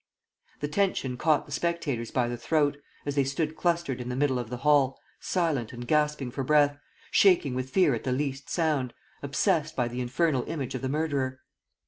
The tension caught the spectators by the throat, as they stood clustered in the middle of the hall, silent and gasping for breath, shaking with fear at the least sound, obsessed by the infernal image of the murderer.